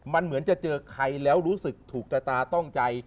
มันเหมือนจะเจอใครแล้วรู้สึกถูกแต่ตาต้องใจ